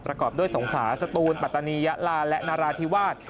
ประกอบด้วยสงขลาสตูนปัตตานียะลาและนราธิวาส